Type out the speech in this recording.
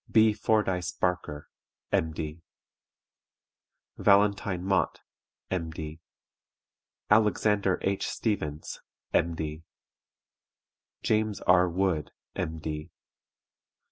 D. B. FORDYCE BARKER, M.D. VALENTINE MOTT, M.D. ALEXANDER H. STEVENS, M.D. JAMES R. WOOD, M.D.